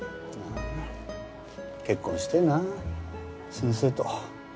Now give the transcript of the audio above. あ結婚してぇな先生と。